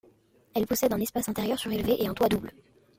Elle possède un espace intérieur surélevé et un toit double.